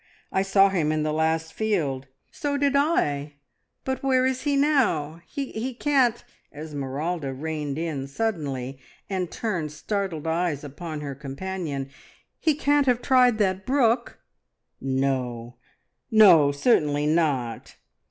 I saw him in the last field." "So did I, but where is he now? He can't " Esmeralda reined in suddenly and turned startled eyes upon her companion "he can't have tried that brook?" "No, no! Certainly not."